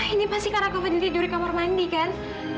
ini pasti karena kak fadil tidur di kamar mandi kan